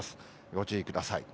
ご注意ください。